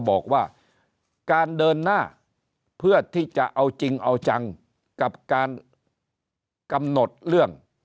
บอกว่าการเดินหน้าเพื่อที่จะเอาจริงเอาจังกับการกำหนดเรื่อง